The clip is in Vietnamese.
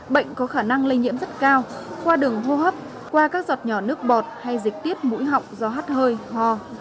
bệnh có khả năng lây nhiễm rất cao qua đường hô hấp qua các giọt nhỏ nước bọt hay dịch tiết mũi họng do hát hơi ho